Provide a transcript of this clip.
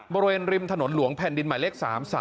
บริเวณริมถนนหลวงแผ่นดินหมายเลข๓๓